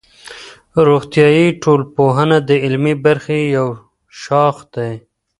روغتیایی ټولنپوهنه د عملي برخې یو شاخ دی.